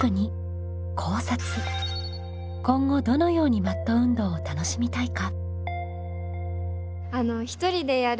今後どのようにマット運動を楽しみたいか？